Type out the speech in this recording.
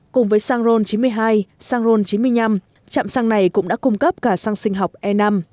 cùng với sang ron chín mươi hai sang ron chín mươi năm chạm sang này cũng đã cung cấp cả sang sinh học e năm